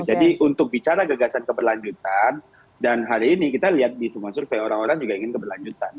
jadi untuk bicara gegasan keberlanjutan dan hari ini kita lihat di semua survei orang orang juga ingin keberlanjutan